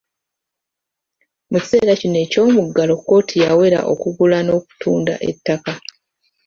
Mu kiseera kino eky’omuggalo kkooti yawera okugula n’okutunda ettaka.